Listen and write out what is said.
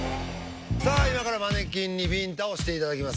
さあ今からマネキンにびんたをしていただきます。